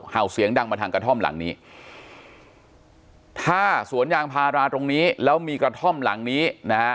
เห่าเสียงดังมาทางกระท่อมหลังนี้ถ้าสวนยางพาราตรงนี้แล้วมีกระท่อมหลังนี้นะฮะ